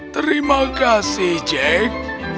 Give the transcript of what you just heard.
terima kasih jack